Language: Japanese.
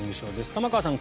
玉川さん